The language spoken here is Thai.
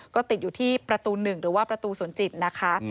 ก็ติดอยู่ที่ประตู๑หรือว่าประตูสวนจิตนะคะ